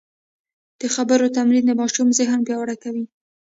د خبرو تمرین د ماشوم ذهن پیاوړی کوي.